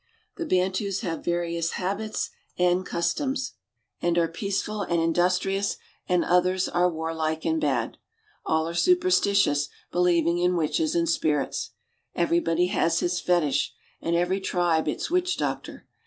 ^ The Bantus have various habits and customs. Some I 230 AFRICA are peaceful and industrious, and others are warlike and bad. All are superstitious, believing in witches and spirits. Everybody has his fetish, and every tribe its witch doctor.